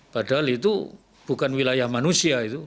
padahal itu bukan wilayah manusia itu